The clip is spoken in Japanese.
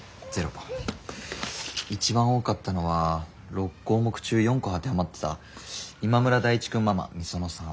一番多かったのは６項目中４個当てはまってた今村大地くんママ美園さん。